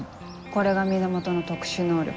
これが源の特殊能力。